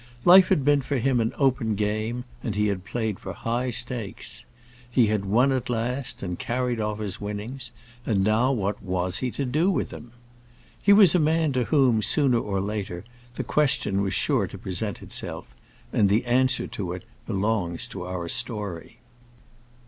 Life had been for him an open game, and he had played for high stakes. He had won at last and carried off his winnings; and now what was he to do with them? He was a man to whom, sooner or later, the question was sure to present itself, and the answer to it belongs to our story.